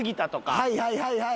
はいはいはいはい！